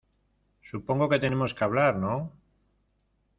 supongo que tenemos que hablar, ¿ no?